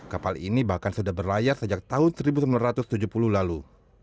kapal ini bahkan sudah berlayar sejak tahun seribu sembilan ratus tujuh puluh lalu